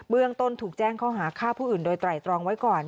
เรื่องต้นถูกแจ้งข้อหาฆ่าผู้อื่นโดยไตรตรองไว้ก่อน